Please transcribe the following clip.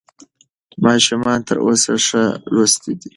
ماشومان تر اوسه ښه لوستي دي.